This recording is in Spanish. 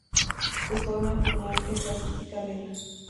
Su forma final es la típica 'vela'.